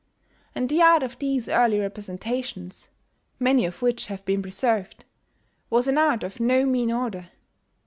And the art of these early representations many of which have been preserved was an art of no mean order.